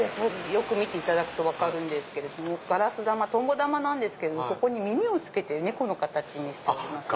よく見ていただくと分かるんですけれどもトンボ玉なんですけど耳をつけて猫の形にしてます。